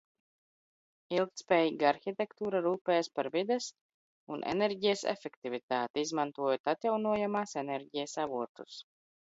Ilgtspējīga arhitektūra rūpējas par vides un enerģijas efektivitāti, izmantojot atjaunojamās enerģijas avotus.